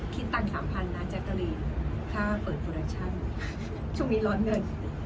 คิดตังค์๓๐๐นะแจ๊กกะลีนถ้าเปิดโปรดักชั่นช่วงนี้ร้อนเงิน